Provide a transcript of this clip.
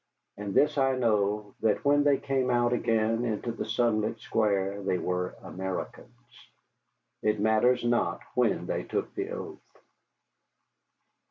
And this I know, that when they came out again into the sunlit square they were Americans. It matters not when they took the oath.